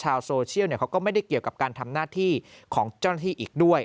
ชาวโซเชียลเขาก็ไม่ได้เกี่ยวกับการทำหน้าที่ของเจ้าหน้าที่อีกด้วย